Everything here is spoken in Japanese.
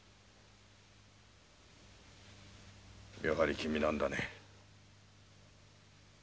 やはり君なんだね。